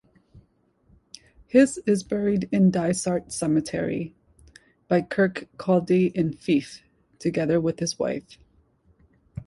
His is buried in Dysart Cemetery, by Kirkcaldy in Fife, together with his wife.